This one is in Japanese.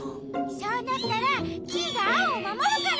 そうなったらキイがアオをまもるから！